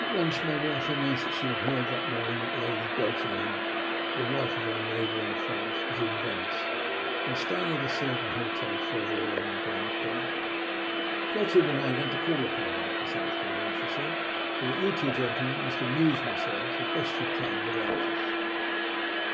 At lunch my wife announced that she had heard that morning that Lady Beltringham, the wife of our neighbour in the Forest, was in Venice, and staying at a certain hotel further along the Grand Canal. "Gertrude and I are going to call upon her this afternoon," she said, "so that you two gentlemen must amuse yourselves as best you can without us."